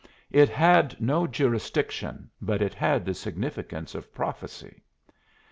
It had no jurisdiction, but it had the significance of prophecy.